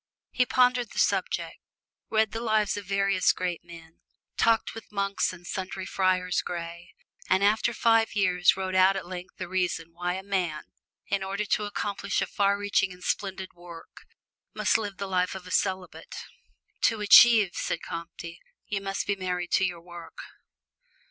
He pondered the subject, read the lives of various great men, talked with monks and sundry friars gray, and after five years wrote out at length the reasons why a man, in order to accomplish a far reaching and splendid work, must live the life of a celibate. "To achieve," said Comte, "you must be married to your work."